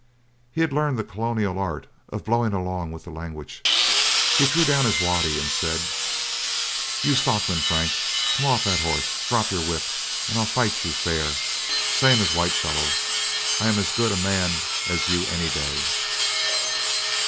He had learned the colonial art of blowing along with the language. He threw down his waddy and said: "You stockman, Frank, come off that horse, drop your whip, and I'll fight you fair, same as whitefellow. I am as good a man as you any day."